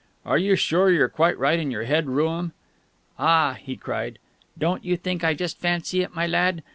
"Are you sure you're quite right in your head, Rooum?" "Ah," he cried, "don't you think I just fancy it, my lad!